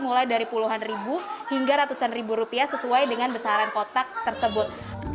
mulai dari puluhan ribu hingga ratusan ribu rupiah sesuai dengan besaran kotak tersebut